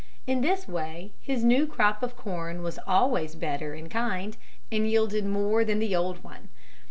In this way his new crop of corn was always better in kind and yielded more than the old one.